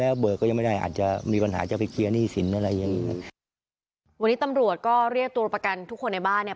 วันนี้ตำรวจก็เรียกตัวประกันทุกคนในบ้านเนี่ย